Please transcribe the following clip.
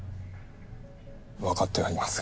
分かってはいますが。